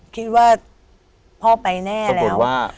คิดว่าพ่อไปแน่แล้ว